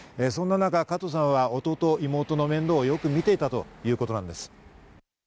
そんな中、加藤さんは弟、妹の面倒をよく見ていたということです。